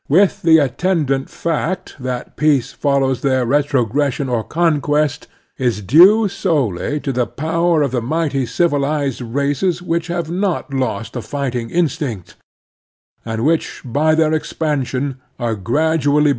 with the attend ant fact that peace fcZcws their leiiugies sin n or cocc:iest, is due sclely to the power of the migjity dvilizcd races which have not lost the fitting instinct, and which bv their expansion are grad zsiT.